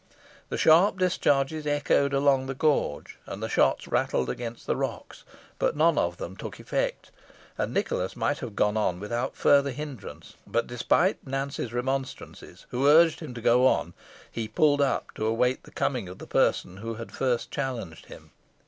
The sharp discharges echoed along the gorge, and the shots rattled against the rocks, but none of them took effect, and Nicholas might have gone on without further hindrance; but, despite Nance's remonstrances, who urged him to go on, he pulled up to await the coming of the person who had first challenged him.